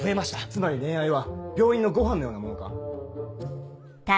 つまり恋愛は病院のごはんのようなものか。